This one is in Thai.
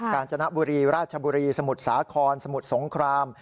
การจนบุรีราชบุรีสมุทรสาครสมุทรสงคราม